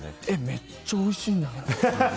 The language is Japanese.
めっちゃおいしいな。